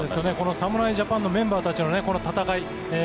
侍ジャパンのメンバーたちの戦い